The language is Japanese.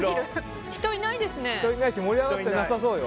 人いないですね。